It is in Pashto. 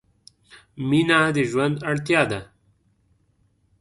مینه د ژوند اړتیا ده.